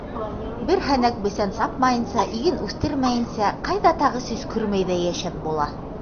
Бер һәнәк бесән сапмайынса, иген үҫтермәйенсә ҡайҙа тағы сөскөрмәй ҙә йәшәп була?